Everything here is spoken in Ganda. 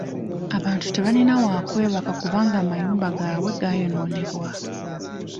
Abantu tebalina wa kwebaka kubanga amayumba gaabwe gaayonoonebwa.